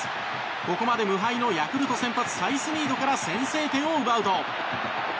ここまで無敗のヤクルト先発サイスニードから先制点を奪うと。